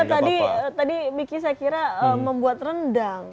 oh saya kira tadi miki saya kira membuat rendang